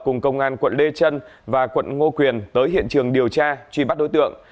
cùng công an quận lê trân và quận ngô quyền tới hiện trường điều tra truy bắt đối tượng